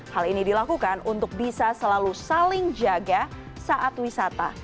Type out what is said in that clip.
hal ini dilakukan untuk bisa selalu saling jaga saat wisata